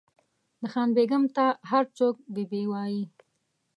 د خان بېګم ته هر څوک بي بي وایي.